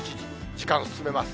時間進めます。